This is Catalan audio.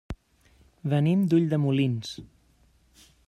Venim d'Ulldemolins.